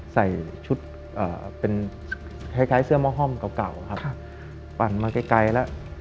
ใส่ชุดเป็นคล้ายเสื้อหม้อห้อมเก่าครับปั่นมาไกลแล้ว